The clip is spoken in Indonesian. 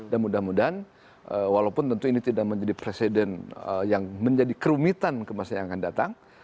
dan mudah mudahan walaupun ini tidak menjadi presiden yang menjadi kerumitan kemaslahan yang akan datang